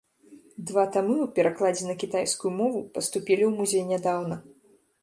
Два тамы ў перакладзе на кітайскую мову паступілі ў музей нядаўна.